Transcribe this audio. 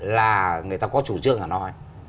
là người ta có chủ trương hà nội